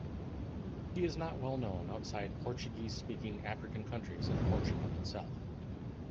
He is not well known outside Portuguese-speaking African countries and Portugal itself.